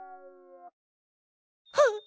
はっ！